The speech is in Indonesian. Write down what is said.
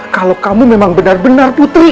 kalau kamu memang benar benar putri